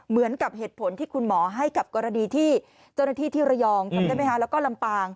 เหมือนกับเหตุผลที่คุณหมอให้กับกรณีที่เจ้าหน้าที่ที่ระยองจำได้ไหมคะแล้วก็ลำปาง